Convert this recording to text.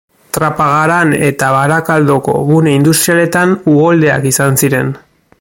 Trapagaran eta Barakaldoko gune industrialetan uholdeak izan ziren.